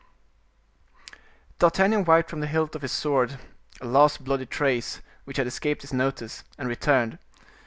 D'Artagnan wiped from the hilt of his sword a last bloody trace, which had escaped his notice, and returned.